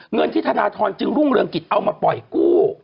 เงินที่ธนทรจึงรุ่งเรืองกิจเอามาปล่อยกู้